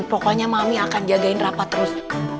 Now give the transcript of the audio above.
pokoknya mami akan jagain rapat terus